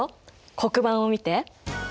黒板を見て。